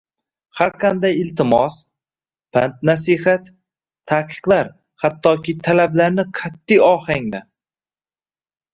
Har qanday iltimos, pand-nasihat, ta’qiqlar, hattoki talablarni qat’iy ohangda